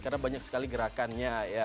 karena banyak sekali gerakannya